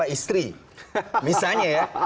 istri misalnya ya